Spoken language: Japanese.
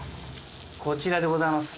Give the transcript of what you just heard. こちらでございます。